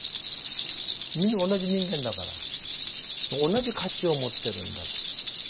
みんな同じ人間だから同じ価値を持ってるんだと。